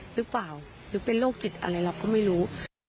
หรือเปล่าหรือเป็นโรคจิตอะไรเราก็ไม่รู้